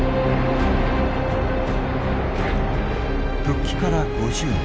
復帰から５０年。